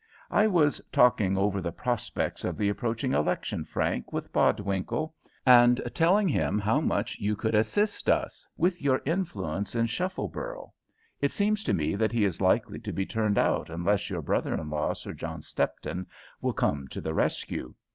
"I was talking over the prospects of the approaching election, Frank, with Bodwinkle, and telling him how much you could assist us with your influence in Shuffleborough; it seems to me that he is likely to be turned out unless your brother in law, Sir John Stepton, will come to the rescue.